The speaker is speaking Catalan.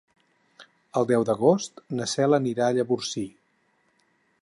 El deu d'agost na Cel anirà a Llavorsí.